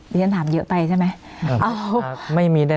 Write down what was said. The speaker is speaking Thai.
เรียนถามเยอะไปใช่ไหม